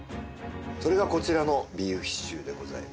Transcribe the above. それがこちらのビーフシチューでございます。